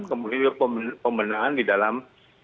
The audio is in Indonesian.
kemudian pemenahan di dalam